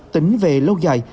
tính về lâu dài